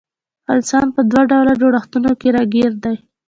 انسان په دوه ډوله جوړښتونو کي راګېر دی